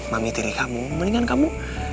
mami tiri kamu mendingan kamu